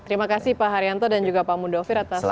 terima kasih pak haryanto dan juga pak mudofir atas